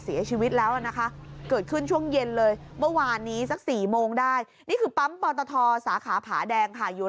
สาขาผาแดงค่ะอยู่ริมถนนสุขุมวิทย์